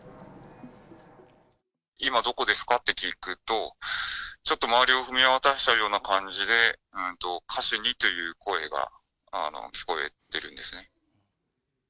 今どこですか？って聞くと、ちょっと周りを見回したような感じで、カシュニという声が聞こえてるんですね。